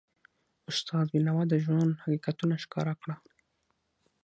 استاد بینوا د ژوند حقیقتونه ښکاره کړل.